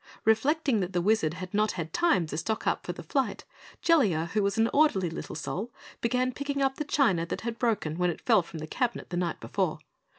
Reflecting that the Wizard had not had time to stock up for the flight, Jellia, who was an orderly little soul, began picking up the china that had broken when it fell from the cabinet the night before.